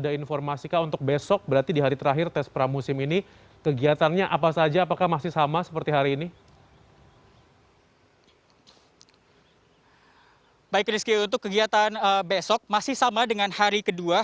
dan di hari kedua